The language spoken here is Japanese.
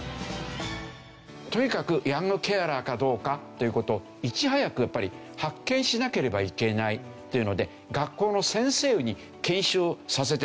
とにかくヤングケアラーかどうかという事をいち早くやっぱり発見しなければいけないというので学校の先生に研修をさせてですね